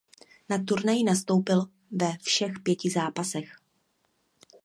Na turnaji nastoupil ve všech pěti zápasech.